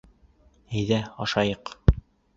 Әйҙә, ашайыҡ.